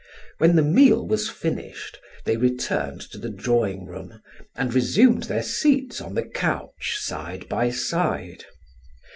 When the meal was finished, they returned to the drawing room and resumed their seats on the couch side by side.